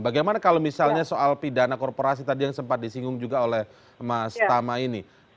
bagaimana kalau misalnya soal pidana korporasi tadi yang sempat disinggung juga oleh mas tama ini